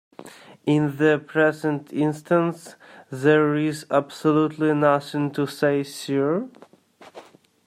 In the present instance, there is absolutely nothing to say 'Sir?'